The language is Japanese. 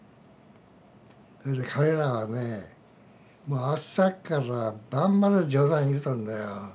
それで彼らはねもう朝から晩まで冗談言うとんだよ。